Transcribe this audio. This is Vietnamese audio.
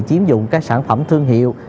chiếm dụng các sản phẩm thương hiệu